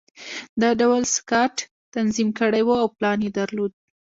دا ټول سکاټ تنظیم کړي وو او پلان یې درلود